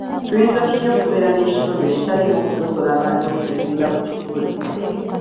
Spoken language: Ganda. Tuyinza tutya okubeera n'ekitundu ekitaliimu kusosola bantu okusinziira ku kikula?